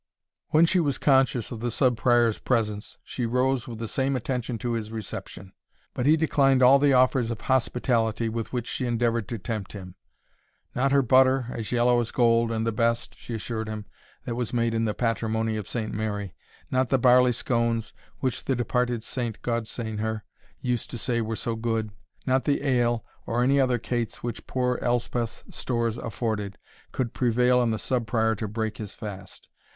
When she was conscious of the Sub Prior's presence, she rose with the same attention to his reception; but he declined all the offers of hospitality with which she endeavoured to tempt him. Not her butter, as yellow as gold, and the best, she assured him, that was made in the patrimony of St. Mary not the barley scones, which "the departed saint, God sain her! used to say were so good" not the ale, nor any other cates which poor Elspeth's stores afforded, could prevail on the Sub Prior to break his fast.